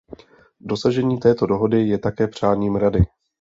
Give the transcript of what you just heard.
Dosažení této dohody je také přáním Rady.